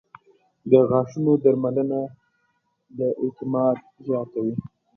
• د غاښونو درملنه د اعتماد زیاتوي.